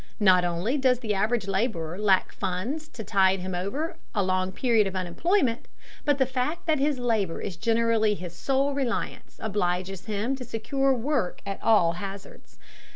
Not only does the average laborer lack funds to tide him over a long period of unemployment, but the fact that his labor is generally his sole reliance obliges him to secure work at all hazards.